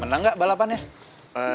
menang gak balapannya